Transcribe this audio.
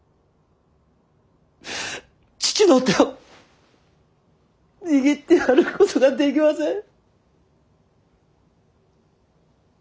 父の手を握ってやることができません。